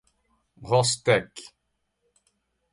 Rostec